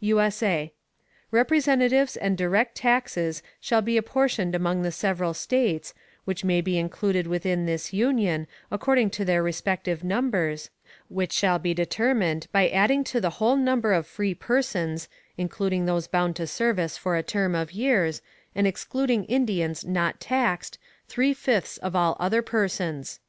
[USA] Representatives and direct Taxes shall be apportioned among the several States, which may be included within this Union, according to their respective Numbers, which shall be determined by adding to the whole Number of free Persons, including those bound to Service for a Term of Years, and excluding Indians not taxed, three fifths of all other Persons.